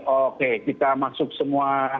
oke kita masuk semua